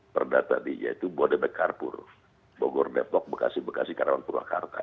perda tadi yaitu bodebekarpur bogor depok bekasi bekasi karawang purwakarta